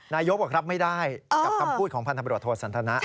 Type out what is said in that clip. นายกบอกรับไม่ได้กับคำพูดของพันธบรวจโทสันทนะ